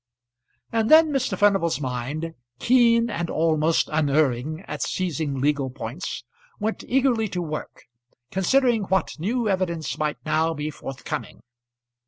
And then Mr. Furnival's mind, keen and almost unerring at seizing legal points, went eagerly to work, considering what new evidence might now be forthcoming.